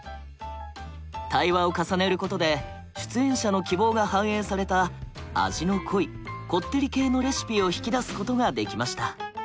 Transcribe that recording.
対話を重ねることで出演者の希望が反映された味の濃いこってり系のレシピを引き出すことができました。